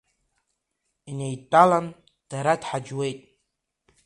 Инеидтәалан дара ҭхаџьуеит…